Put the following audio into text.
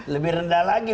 lebih rendah lagi